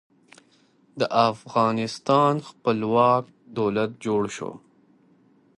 د افغانستان خپلواک دولت جوړ شو.